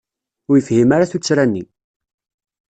Ur yefhim tuttra-nni.